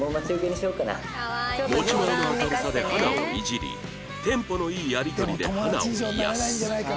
持ち前の明るさで花をイジりテンポのいいやり取りで花を癒やす